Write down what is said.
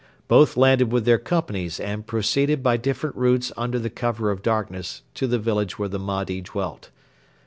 Both landed with their companies and proceeded by different routes under the cover of darkness to the village where the Mahdi dwelt.